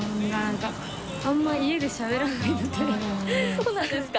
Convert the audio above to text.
そうなんですか？